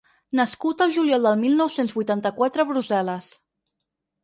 Nascut el juliol del mil nou-cents vuitanta-quatre a Brussel·les.